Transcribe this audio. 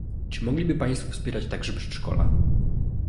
Czy mogliby państwo wspierać także przedszkola?